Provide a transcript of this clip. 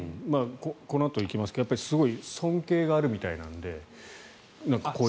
このあとやりますがすごい尊敬があるみたいなので。